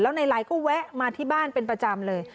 ในไลน์ก็แวะมาที่บ้านเป็นประจำเลย